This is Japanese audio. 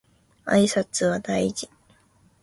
挨拶は大事